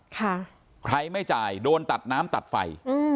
ใครไม่จ่ายโดนตัดน้ำตัดไฟอืม